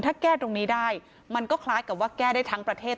ถ้าแก้ตรงนี้ได้มันก็คล้ายกับว่าแก้ได้ทั้งประเทศ